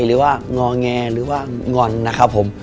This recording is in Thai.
หรือว่างอแงหรือว่างอนนะครับผม